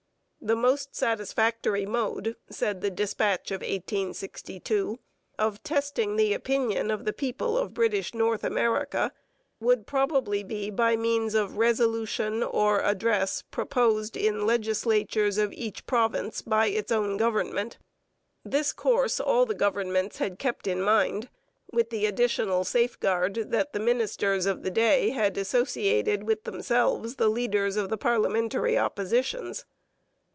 'The most satisfactory mode,' said the dispatch of 1862, 'of testing the opinion of the people of British North America would probably be by means of resolution or address proposed in legislatures of each province by its own government.' This course all the governments had kept in mind, with the additional safeguard that the ministers of the day had associated with themselves the leaders of the parliamentary oppositions.